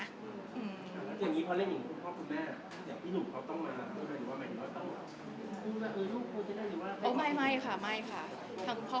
อย่างนี้พอเล่นอย่างคุณพ่อคุณแม่เดี๋ยวพี่หนูเขาต้องมาหรือว่าไหนหนูต้องมา